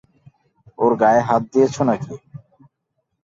ওর গায়ে হাত দিয়েছো নাকি?